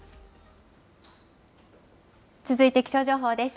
続いて気象情報です。